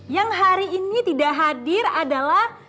yang hari ini tidak hadir adalah